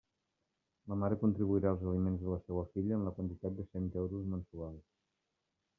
La mare contribuirà als aliments de la seua filla en la quantitat de cent euros mensuals.